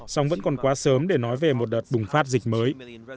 song vẫn còn quá sớm để nói về một đợt bùng phát dịch mới